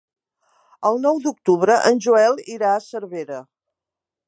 El nou d'octubre en Joel irà a Cervera.